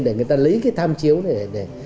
để người ta lấy cái tham chiếu để